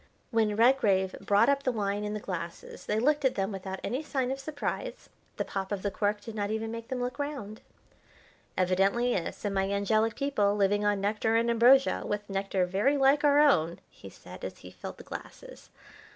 When Redgrave brought up the wine and the glasses they looked at them without any sign of surprise. The pop of the cork did not even make them look round. "Evidently a semi angelic people, living on nectar and ambrosia, with nectar very like our own," he said, as he filled the glasses.